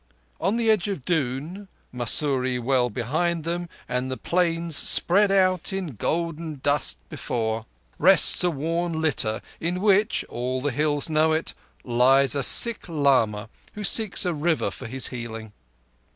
On the edge of the Doon, Mussoorie well behind them and the Plains spread out in golden dust before, rests a worn litter in which—all the Hills know it—lies a sick lama who seeks a River for his healing.